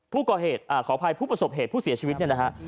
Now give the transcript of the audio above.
ผู้ก่อเหตุอ่าขอภัยผู้ประสบเหตุผู้เสียชีวิตเนี่ยนะฮะ